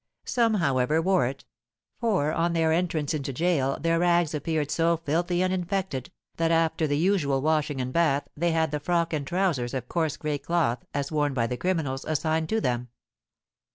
Some, however, wore it; for on their entrance into gaol, their rags appeared so filthy and infected that, after the usual washing and bath, they had the frock and trousers of coarse gray cloth, as worn by the criminals, assigned to them.